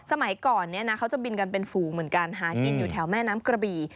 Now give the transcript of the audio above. สมัยก่อนเนี่ยนะเขาจะบินกันเป็นฝูงเหมือนกันหากินอยู่แถวแม่น้ำกระบี่